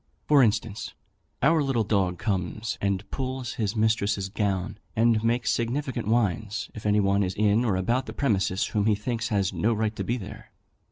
For instance, our little dog comes and pulls his mistress's gown and makes significant whines, if any one is in or about the premises whom he thinks has no right to be there.